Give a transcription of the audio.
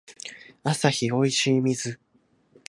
アサヒおいしい水